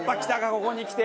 ここにきて。